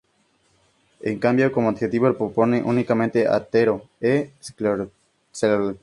En cambio, como adjetivo propone únicamente atero"e"sclerótico.